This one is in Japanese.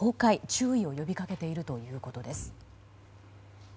注意を呼びかけているということです。